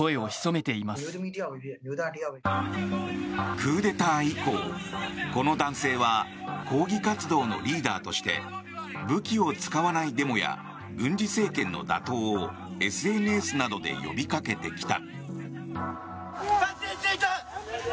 クーデター以降、この男性は抗議活動のリーダーとして武器を使わないデモや軍事政権の打倒をＳＮＳなどで呼びかけてきた。